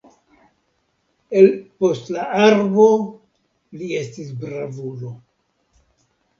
El post la arbo li estas bravulo.